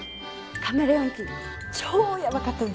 カメレオンティー超ヤバかったです！